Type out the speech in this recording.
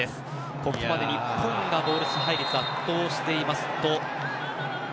ここまで日本がボール支配率は圧倒しています。